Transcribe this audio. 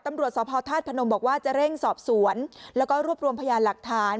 ตำรวจสภธาตุพนมบอกว่าจะเร่งสอบสวนแล้วก็รวบรวมพยานหลักฐาน